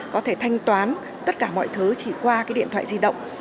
có thể thanh toán tất cả mọi thứ chỉ qua cái điện thoại di động